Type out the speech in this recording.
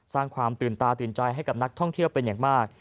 สร้างความตื่นตาตื่นใจให้กับนักท่องเที่ยวเป็นอย่างมาก